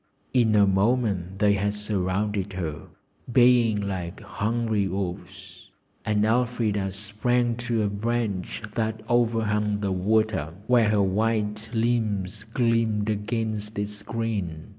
In a moment they had surrounded her, baying like hungry wolves, and Elfrida sprang to a branch that overhung the water, where her white limbs gleamed against its green.